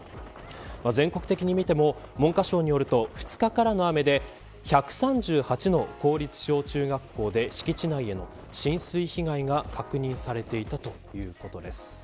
全国的に見ても文科省によると２日からの雨で１３８の公立小中学校で敷地内での浸水被害が確認されていたということです。